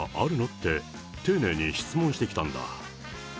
って、丁寧に質問してきたんだ。